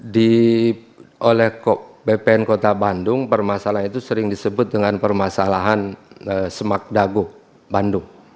di oleh bpn kota bandung permasalahan itu sering disebut dengan permasalahan semak dago bandung